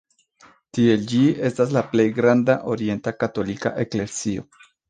Tiel ĝi estas la plej granda orienta katolika eklezio.